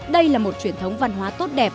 đây là một truyền thống văn hóa tốt đẹp